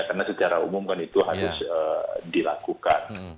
karena secara umum kan itu harus dilakukan